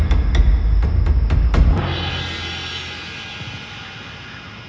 apa yang mereka lihat